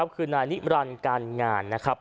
คือนานิรันดิ์การงาน